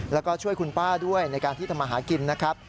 แล้วก็ช่วยคุณป้าด้วยในการที่ทำมาหากินนะครับ